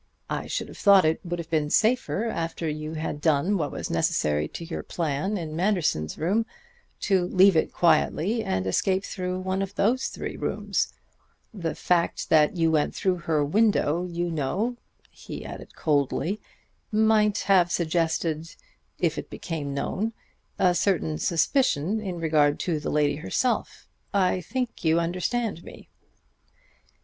I should have thought it would have been safer, after you had done what was necessary to your plan in Manderson's room, to leave it quietly and escape through one of those three rooms.... The fact that you went through her window, you know," he added coldly, "might have suggested, if it became known, a certain suspicion in regard to the lady herself. I think you understand me."